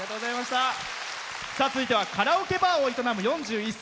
続いてはカラオケバーを営む４１歳。